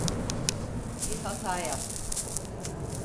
Bir hata yaptık.